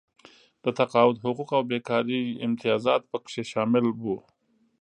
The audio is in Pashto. د تقاعد حقوق او بېکارۍ امتیازات پکې شامل وو.